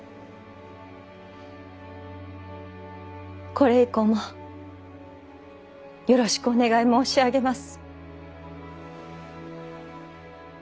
これ以降もよろしくお願い申し上げます。